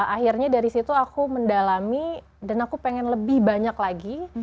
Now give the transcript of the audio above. akhirnya dari situ aku mendalami dan aku pengen lebih banyak lagi